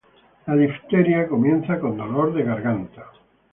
La difteria comienza con dolor de garganta